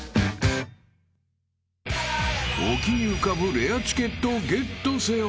［沖に浮かぶレアチケットをゲットせよ！］